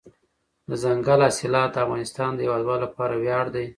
دځنګل حاصلات د افغانستان د هیوادوالو لپاره ویاړ دی.